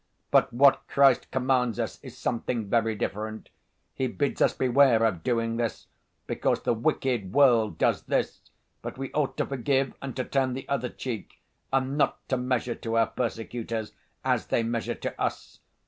But what Christ commands us is something very different: He bids us beware of doing this, because the wicked world does this, but we ought to forgive and to turn the other cheek, and not to measure to our persecutors as they measure to us.